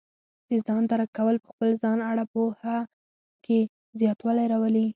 د ځان درک کول په خپل ځان اړه پوهه کې زیاتوالی راولي.